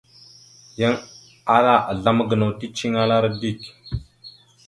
Yan ala azlam gənaw ticeliŋalara dik.